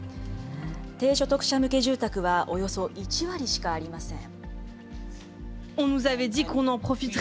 低所得者向け住宅はおよそ１割しかありません。